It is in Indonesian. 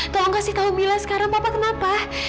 tolong kasih tahu mila sekarang papa kenapa